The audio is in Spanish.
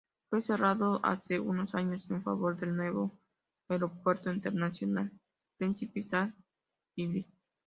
Fue cerrado hace unos años en favor del nuevo Aeropuerto Internacional Príncipe Said Ibrahim.